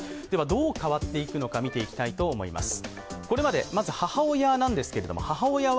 どう変わっていくのか見ていきたいと思います。